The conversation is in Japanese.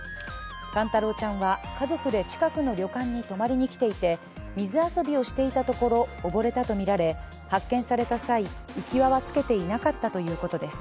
寛太郎ちゃんは家族で近くの旅館に泊まりに来ていて水遊びをしていたところ溺れたとみられ、発見された際浮き輪はつけていなかったということです。